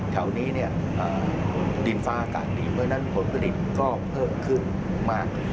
แถวนี้ดินฟ้าการดีเมื่อนั้นผลผลิตก็เพิ่มขึ้นมาก